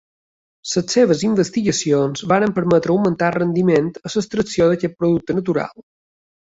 Les seves investigacions varen permetre augmentar el rendiment en l'extracció d'aquest producte natural.